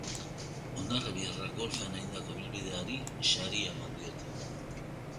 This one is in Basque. Hondarribiarrak golfean egindako ibilbideari saria eman diote.